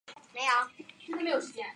软叶茯苓菊